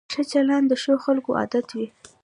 ښه چلند د ښو خلکو عادت وي.